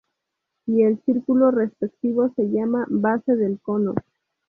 Y el círculo respectivo se llama base del cono.